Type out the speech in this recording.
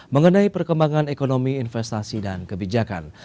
mengenai perkembangan ekonomi investasi dan kebijakan